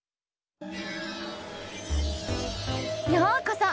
ようこそ！